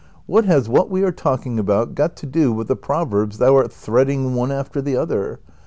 What has what we are talking about got to do with the proverbs thou art threading one after the other